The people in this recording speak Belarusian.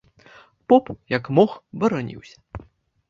Поп, як мог, бараніўся.